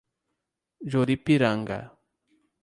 Juripiranga